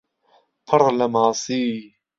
پڕ لە ماسی